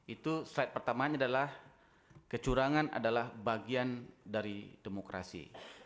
itu slide pertamanya adalah kecurangan adalah bagian dari demokrasi